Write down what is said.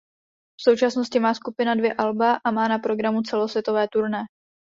V současnosti má skupina dvě alba a má na programu celosvětové turné.